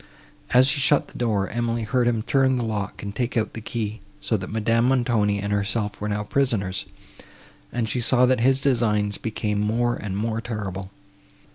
As he shut the door, Emily heard him turn the lock and take out the key; so that Madame Montoni and herself were now prisoners; and she saw that his designs became more and more terrible.